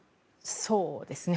そうですね。